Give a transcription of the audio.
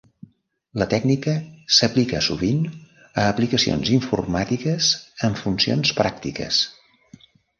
La tècnica s'aplica sovint a aplicacions informàtiques amb funcions pràctiques.